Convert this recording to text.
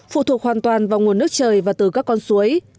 phụ thuộc hoàn toàn vào nguồn nước trời và từ các con suối